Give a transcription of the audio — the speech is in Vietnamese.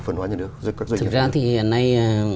thực ra thì hiện nay